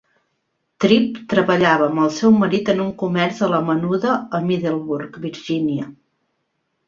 Tripp treballa amb el seu marit en un comerç a la menuda a Middleburg, Virginia.